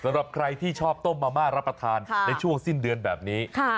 สำหรับใครที่ชอบต้มมะม่ารับประทานในช่วงสิ้นเดือนแบบนี้